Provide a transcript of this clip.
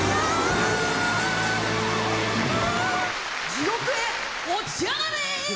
地獄へ落ちやがれ！